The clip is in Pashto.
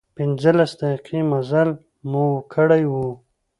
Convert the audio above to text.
پنځلس دقيقې مزل مو کړی و.